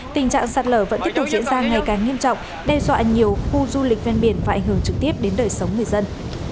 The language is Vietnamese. tình trạng sạt lở vẫn tiếp tục diễn ra ngày càng nghiêm trọng đe dọa nhiều khu du lịch ven biển và ảnh hưởng trực tiếp đến đời sống người dân